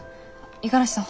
五十嵐さん